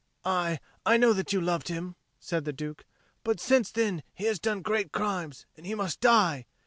"Aye, I know that you loved him," said the Duke. "But since then he has done great crimes, and he must die.